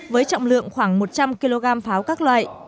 với trọng lượng khoảng một trăm linh kg pháo các loại